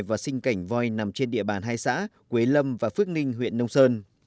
và sinh cảnh voi nằm trên địa bàn hai xã quế lâm và phước ninh huyện nông sơn